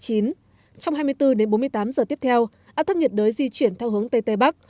trong hai mươi bốn đến bốn mươi tám giờ tiếp theo áp thấp nhiệt đới di chuyển theo hướng tây tây bắc